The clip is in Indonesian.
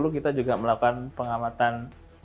kita juga melakukan pengamatan